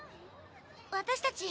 私たち